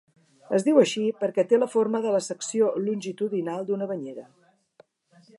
Es diu així perquè té la forma de la secció longitudinal d'una banyera.